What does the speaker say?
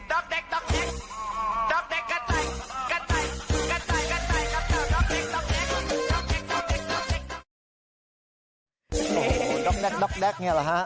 โหดกแดกเงี้ยหรอฮะ